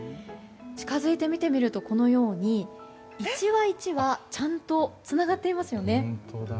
近づいて見てみるとこのように１羽１羽ちゃんとつながっていますよね。